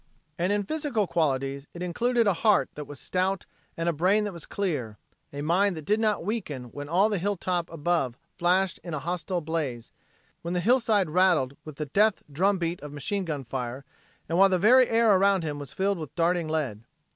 And in physical qualities, it included a heart that was stout and a brain that was clear a mind that did not weaken when all the hilltop above flashed in a hostile blaze, when the hillside rattled with the death drum beat of machine gun fire and while the very air around him was filled with darting lead.